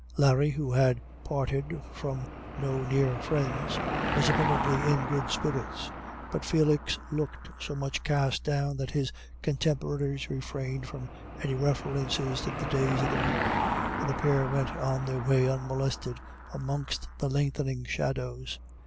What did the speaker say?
Larry, who had parted from no near friends, was apparently in good spirits; but Felix looked so much cast down that his contemporaries refrained from any references to the days of the week, and the pair went on their way unmolested amongst the lengthening shadows.